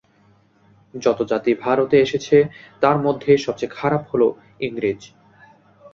যত জাতি ভারতে এসেছে, তার মধ্যে সবচেয়ে খারাপ হল এই ইংরেজ।